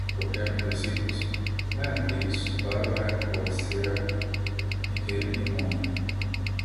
Procrearon tres hijos: la actriz Bárbara Córcega, Miguel y Mónica.